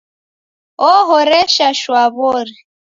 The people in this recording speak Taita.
O'horesha shwa wori